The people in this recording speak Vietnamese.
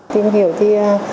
tìm hiểu thì